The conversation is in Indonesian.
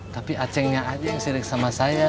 tapi acengnya aja yang sidik sama saya